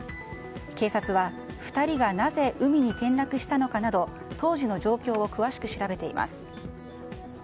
警察は２人がなぜ海に転落したのかなど当時の状況を詳しく調べています。